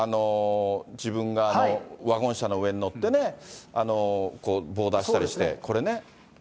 自分が、ワゴン車の上に乗って、棒出したりして、これね。